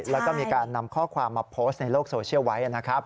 แล้วก็มีการนำข้อความมาโพสต์ในโลกโซเชียลไว้นะครับ